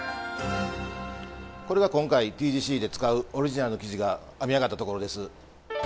これが今回、ＴＧＣで使うオリジナルの生地が編み上がったところです。